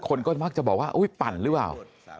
คนก็มักจะบอกว่าอุ๊ยปั่นหรือเปล่า